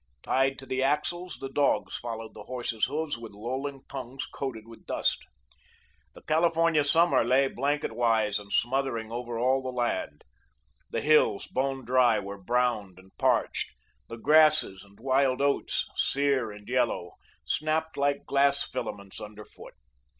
Tied to the axles, the dogs followed the horses' hoofs with lolling tongues coated with dust. The California summer lay blanket wise and smothering over all the land. The hills, bone dry, were browned and parched. The grasses and wild oats, sear and yellow, snapped like glass filaments under foot.